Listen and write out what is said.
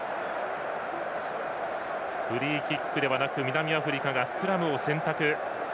フリーキックではなく南アフリカがスクラムを選択。